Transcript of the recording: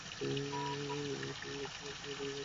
এটা ইগতপুরীর একটা মেডিটেশন সেন্টারের বুকিং।